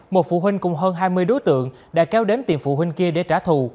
một phụ huynh cùng hơn hai mươi đối tượng đã kéo đến tiền phụ huynh kia để trả thù